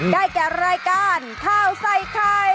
แก่รายการข้าวใส่ไข่